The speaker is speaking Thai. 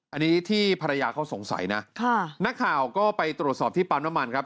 อันนี้ที่ภรรยาเขาสงสัยนะค่ะนักข่าวก็ไปตรวจสอบที่ปั๊มน้ำมันครับ